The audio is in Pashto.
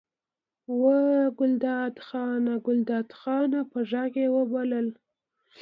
وه ګلداد خانه! ګلداد خانه! په غږ یې وبلل.